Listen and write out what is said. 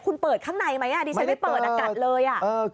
คุณเปิดข้างในไหมดิฉันไม่เปิดกัดเลย